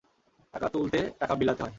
টাকা তুলতে টাকা বিলাতে হয়।